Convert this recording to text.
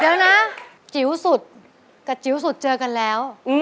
เดี๋ยวนะจิ๋วสุดกับจิ๋วสุดเจอกันแล้ว